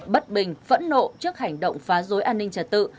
bất bình phẫn nộ trước hành động phá rối an ninh trả tự